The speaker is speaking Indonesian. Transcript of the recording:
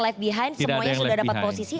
life behind semuanya sudah dapat posisi